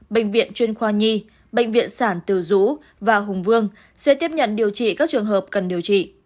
bệnh viện chuyên khoa nhi bệnh viện sản từ dũ và hùng vương sẽ tiếp nhận điều trị các trường hợp cần điều trị